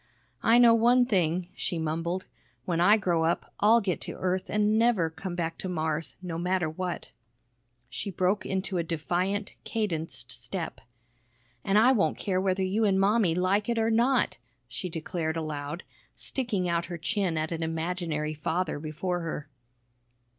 "I know one thing," she mumbled. "When I grow up, I'll get to Earth an' never come back to Mars, no matter what!" She broke into a defiant, cadenced step. "An' I won't care whether you an' Mommy like it or not!" she declared aloud, sticking out her chin at an imaginary father before her.